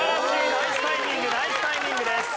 ナイスタイミングナイスタイミングです。